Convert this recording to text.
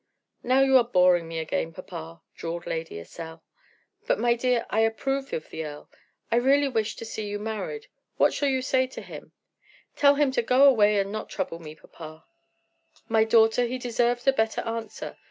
"Now you are boring me again, papa," drawled Lady Estelle. "But, my dear, I approve of the earl. I really wish to see you married. What shall I say to him?" "Tell him to go away and not trouble me, papa." "My daughter, he deserves a better answer.